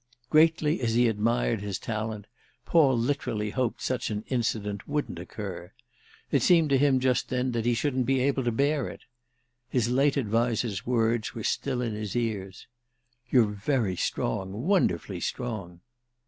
Greatly as he admired his talent Paul literally hoped such an incident wouldn't occur; it seemed to him just then that he shouldn't be able to bear it. His late adviser's words were still in his ears—"You're very strong, wonderfully strong."